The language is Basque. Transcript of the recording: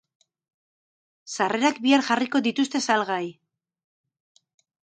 Sarrerak bihar jarriko dituzte salgai.